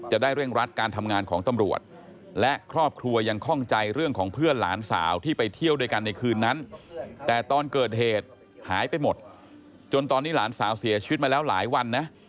หายไปหมดจนตอนนี้หลานสาวเสียชีวิตมาแล้วหลายวันนะ